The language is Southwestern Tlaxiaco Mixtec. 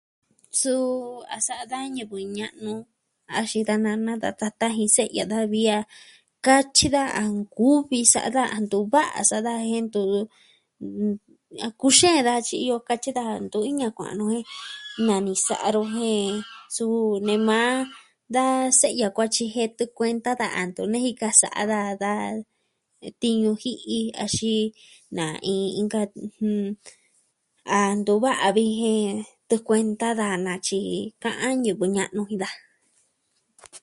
Suu a sa'a da ñivɨ ña'nu axin da nana, da tata jin se'ya daja vi a katyi daja a nkuvi sa'a daja a ntu va'a sa'a daja jen ntu iyo... a kuxeen daja tyi iyo katyi daja ntu iña kua'an nuu jen nani sa'a nu jen suu nee maa da se'ya kuatyi jen tɨɨn kuenta daja a ntu nejika. Sa'a daja ka tiñu ji'i axin na iin ka ɨjɨn... a ntu va'a viji jen tɨɨn kuenta da naa tyi ka'an ñivɨ ña'nu jin daja.